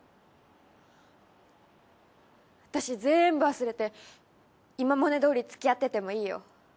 私ぜんぶ忘れて今までどおりつきあっててもいいよ。